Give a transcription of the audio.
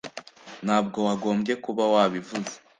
ntabwo wagombye kuba wabivuze